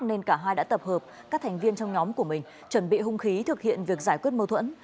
nên cả hai đã tập hợp các thành viên trong nhóm của mình chuẩn bị hung khí thực hiện việc giải quyết mâu thuẫn